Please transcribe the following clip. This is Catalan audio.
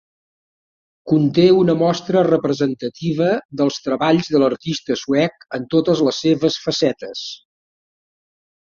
Conté una mostra representativa dels treballs de l'artista suec en totes les seves facetes.